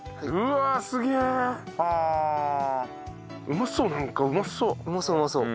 うまそうなんかうまそう！